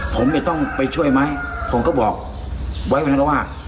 ผมไม่ต้องไปช่วยมั้ยผมก็บอกไว้ไวนี้ก็ว่า